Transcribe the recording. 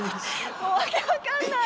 もう訳分かんない！